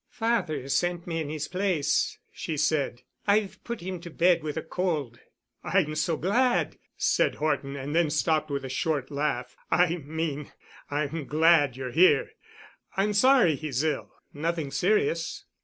"Father sent me in his place," she said. "I've put him to bed with a cold." "I'm so glad——" said Horton, and then stopped with a short laugh. "I mean—I'm glad you're here. I'm sorry he's ill. Nothing serious?"